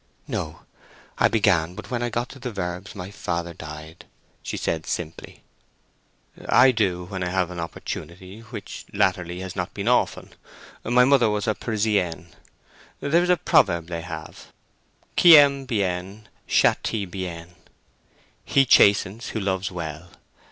"No; I began, but when I got to the verbs, father died," she said simply. "I do—when I have an opportunity, which latterly has not been often (my mother was a Parisienne)—and there's a proverb they have, Qui aime bien, châtie bien—'He chastens who loves well.